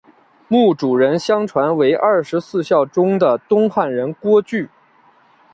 墓主人相传为二十四孝中的东汉人郭巨。